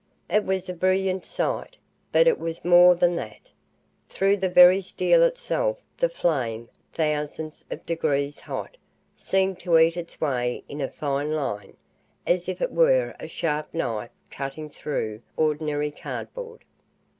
It was a brilliant sight. But it was more than that. Through the very steel itself, the flame, thousands of degrees hot, seemed to eat its way in a fine line, as if it were a sharp knife cutting through ordinary cardboard.